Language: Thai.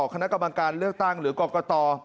คณะกำลังการเลือกตั้งเหลือกรกกต